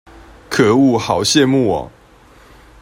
可惡好羨慕喔